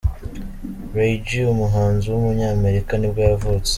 Ray J, umuhanzi w’umunyamerika nibwo yavutse.